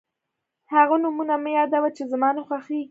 هغه نومونه مه یادوه چې زما نه خوښېږي.